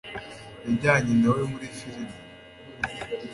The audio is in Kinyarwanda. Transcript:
yajyanye na we muri firime